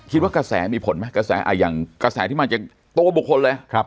คิดว่ากระแสมีผลไหมกระแสที่มาจากโตบุคคลเลย